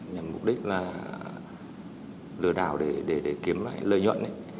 nhằm mục đích là lừa đảo để kiếm lại lợi nhuận